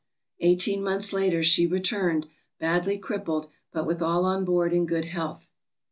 Eighteen months later she returned, badly crippled, but with all on board in good health.